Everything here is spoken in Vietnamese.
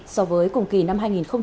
so với cùng kỳ năm hai nghìn